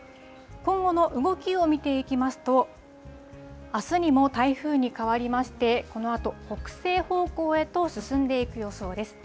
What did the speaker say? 今後の動きを見ていきますと、あすにも台風に変わりまして、このあと、北西方向へと進んでいく予想です。